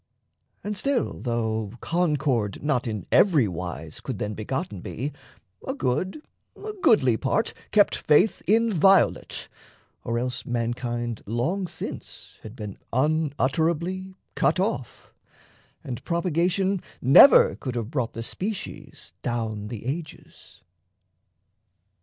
And still, Though concord not in every wise could then Begotten be, a good, a goodly part Kept faith inviolate or else mankind Long since had been unutterably cut off, And propagation never could have brought The species down the ages.